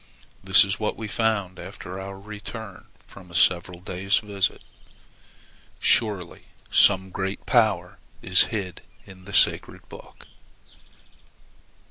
This is what we found after our return from a several days' visit. Surely some great power is hid in the sacred book!"